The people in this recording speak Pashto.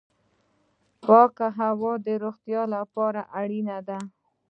پاکه هوا د روغتیا لپاره اړینه ده